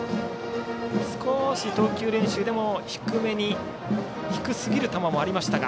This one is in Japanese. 少し投球練習でも低すぎる球もありました。